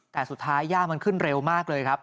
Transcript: แต่สุดท้ายย่ามันขึ้นเร็วมากเลยครับ